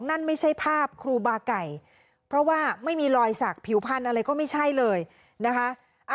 นั่นไม่ใช่ภาพครูบาไก่เพราะว่าไม่มีรอยสักผิวพันธุ์อะไรก็ไม่ใช่เลยนะคะ